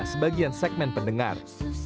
sebagian segmen pendengar